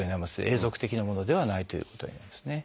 永続的なものではないということになりますね。